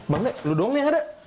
bang lo doang nih yang ada